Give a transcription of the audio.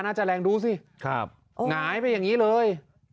น่าจะแรงดูสิหงายไปอย่างนี้เลย